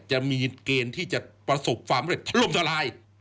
จะมีเกณฑ์ที่จะประสบความเร็จทะลมทลาย